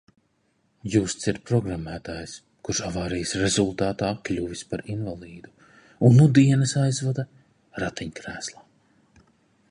Justs ir programmētājs, kurš avārijas rezultātā kļuvis par invalīdu un nu dienas aizvada ratiņkrēslā.